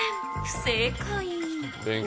不正解。